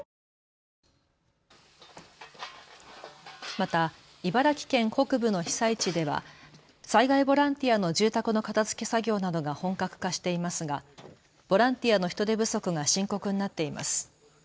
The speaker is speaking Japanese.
また茨城県北部の被災地では災害ボランティアの住宅の片づけ作業などが本格化していますがボランティアの人手不足が深刻になっています。